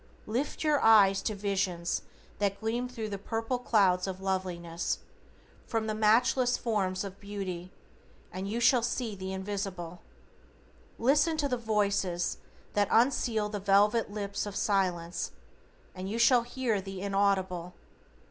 Lift your eyes to Visions that gleam thru the purple clouds of loveliness, from the matchless forms of Beauty, and YOU SHALL SEE THE INVISIBLE. Listen to the Voices that unseal the velvet lips of Silence, and YOU SHALL HEAR THE INAUDIBLE.